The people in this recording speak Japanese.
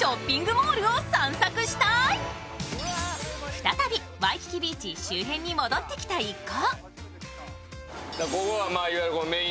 再びワイキキビーチ周辺に戻ってきた一行。